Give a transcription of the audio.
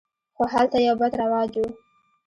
خو هلته یو بد رواج و.